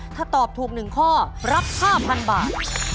ถ้าตอบถูก๑ข้อรับ๕๐๐๐บาท